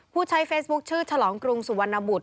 ผู้ใช้เฟซบุ๊คชื่อฉลองกรุงสุวรรณบุตร